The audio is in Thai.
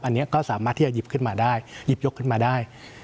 อันนี้ก็สามารถที่จะหยิบขึ้นมาได้หยิบยกขึ้นมาได้